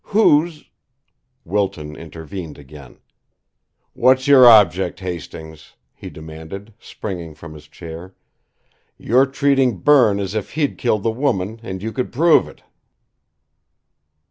Who's " Wilton intervened again. "What's your object, Hastings?" he demanded, springing from his chair. "You're treating Berne as if he'd killed the woman and you could prove it!"